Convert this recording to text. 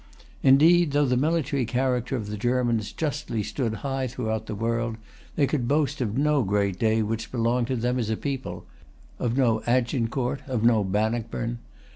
Indeed, though the military character of the Germans justly stood high throughout the world, they could boast of no great day which belonged to them as a people; of no Agincourt, of no Bannockburn.